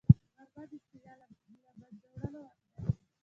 غرمه د ستړیا له منځه وړلو وخت دی